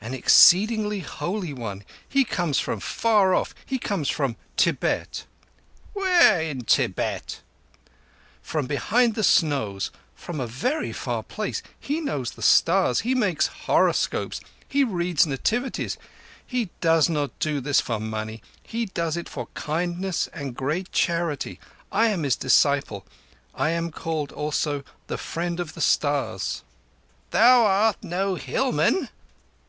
"An exceedingly holy one. He comes from far off. He comes from Tibet." "Where in Tibet?" "From behind the snows—from a very far place. He knows the stars; he makes horoscopes; he reads nativities. But he does not do this for money. He does it for kindness and great charity. I am his disciple. I am called also the Friend of the Stars." "Thou art no hillman."